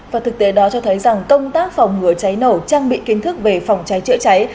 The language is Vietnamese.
và thực tế đó cho thấy rằng công tác phòng ngừa cháy nổ trang bị kiến thức về phòng cháy chữa cháy